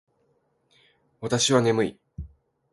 私は眠い